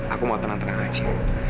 aku mau tenang tenang aja